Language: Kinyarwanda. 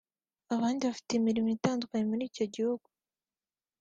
abandi bafite imirimo itandukanye muri icyo gihugu